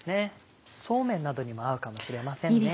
そうめんなどにも合うかもしれませんね。